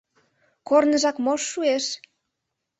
Корныжак мош шуэш?